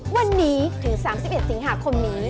วันนี้ถึง๓๑สิงหาคมนี้